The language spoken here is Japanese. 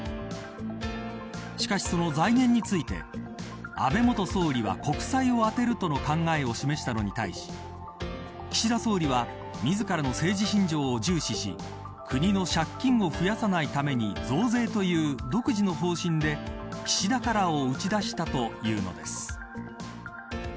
しかし、その財源について安倍元総理は国債を充てるとの考えを示したのに対し岸田総理は自らの政治信条を重視し国の借金を増やさないために増税という独自の方針で、岸田カラーを打ち出したというのです。